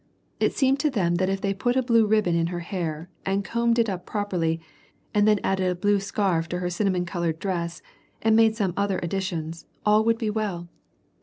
It seemed to them that if they put a blue ribbon in her hair, and combed it up properly, and then added a blue scarf tb her cinnamon colored dress, and made some other such additions, all would be well.